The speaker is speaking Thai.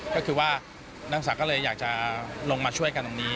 ก็คือว่านางสาวก็เลยอยากจะลงมาช่วยกันตรงนี้